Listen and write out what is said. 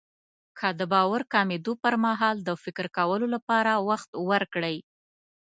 که د باور کمېدو پرمهال د فکر کولو لپاره وخت ورکړئ.